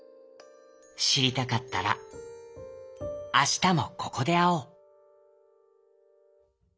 「しりたかったらあしたもここであおう」。